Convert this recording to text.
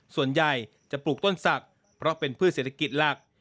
ส่วนใหญ่จะปลูกต้นศักดิ์เพราะเป็นพืชเศรษฐกิจหลัก